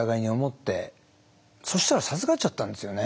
そしたら授かっちゃったんですよね。